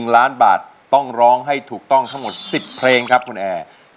๑ล้านบาทต้องร้องให้ถูกต้องทั้งหมด๑๐เพลงครับคุณแอร์